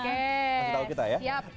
kasih tau kita ya